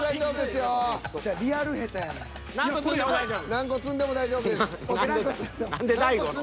何個積んでも大丈夫です。